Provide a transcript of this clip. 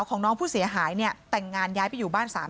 พี่น้องของผู้เสียหายแล้วเสร็จแล้วมีการของผู้เสียหาย